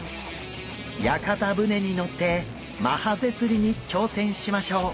屋形船に乗ってマハゼ釣りに挑戦しましょう！